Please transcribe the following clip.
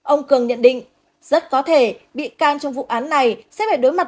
ông cường nhận định rất có thể bị can trong vụ án này sẽ phải đối mặt